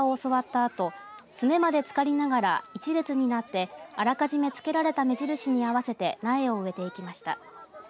あとすねまで、つかりながら１列になって、あらかじめつけられた目印に合わせて苗を植えていきました。